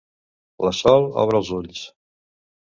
La Sol obre els ulls.